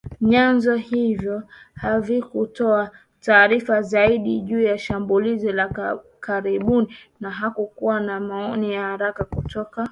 Vyanzo hivyo havikutoa taarifa zaidi juu ya shambulizi la karibuni na hakukuwa na maoni ya haraka kutoka serikalini